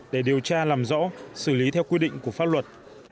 để điều tra làm rõ xử lý theo quy định của pháp luật